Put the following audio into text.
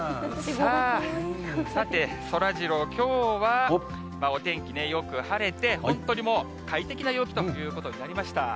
さて、そらジロー、きょうはお天気ね、よく晴れて、本当にもう、快適な陽気ということになりました。